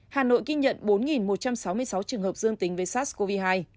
hà nội ghi nhận bốn một trăm sáu mươi sáu trường hợp dương tính với sars cov hai